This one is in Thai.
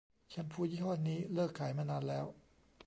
แชมพูยี่ห้อนี้เลิกขายมานานแล้ว